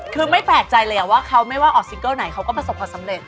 คือไม่แปลกใจเลยว่าเขาไม่ว่าออกซิงเกิลไหนเขาก็ประสบความสำเร็จ